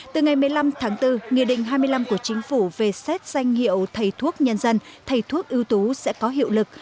từ ngày một mươi năm tháng bốn nghị định hai mươi năm của chính phủ về xét danh hiệu thầy thuốc nhân dân thầy thuốc ưu tú sẽ có hiệu lực